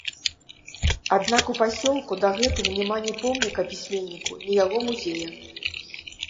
Аднак у пасёлку дагэтуль няма ні помніка пісьменніку, ні яго музея.